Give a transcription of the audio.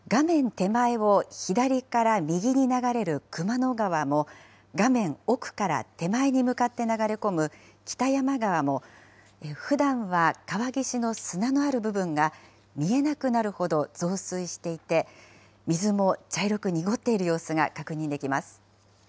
手前を左から右に流れる熊野川も、画面奥から手前に向かって流れ込む北山川も、ふだんは川岸の砂のある部分が見えなくなるほど増水していて、水も茶色く濁っている様子が確認できます。